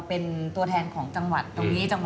เป็นตัวแทนของจังหวัดตรงนี้